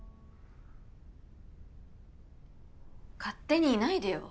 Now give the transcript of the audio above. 勝手にいないでよ。